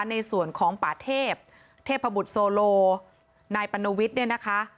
ในส่วนของป่าเทพเทพบุตรโซโลนายปัณวิทย์เนี่ยนะคะ